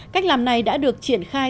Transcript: cách làm này đã được triển khai